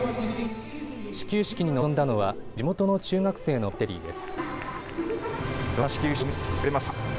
始球式に臨んだのは地元の中学生のバッテリーです。